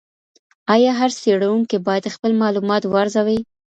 ایا هر څېړونکی باید خپل معلومات وارزوي؟